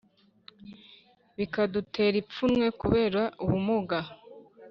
bikadutera ipfunwe kubera ubumuga